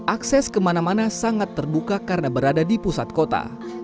akses kemana mana sangat terbuka karena berada di pusat kota